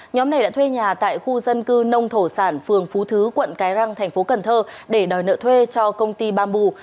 nhóm này đã thuê nhà tại khu dân cư nông thổ sản phường phú thứ quận cái răng tp cn để đòi nợ thuê cho công ty bamboo